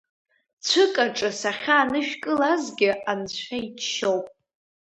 Цәык аҿы сахьаанышәкылазгьы анцәа иџьшьоуп!